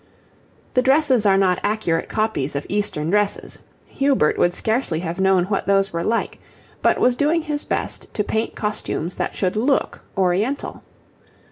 The dresses are not accurate copies of eastern dresses; Hubert would scarcely have known what those were like, but was doing his best to paint costumes that should look oriental.